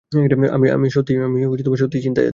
আমি সত্যিই চিন্তায় আছি।